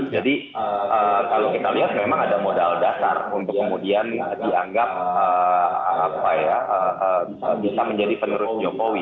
jadi kalau kita lihat memang ada modal dasar untuk kemudian dianggap bisa menjadi penerus jokowi